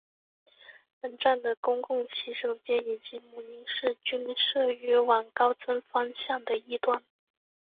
本站的公共洗手间以及母婴室均设于往高增方向的一端。